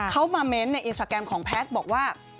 เขามาเม้นต์ในอินสตาแกรมของแพทย์บอกว่า